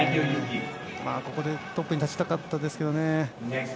ここでトップに立ちたかったですけどね。